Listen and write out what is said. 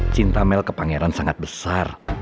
cinta mel ke pangeran sangat besar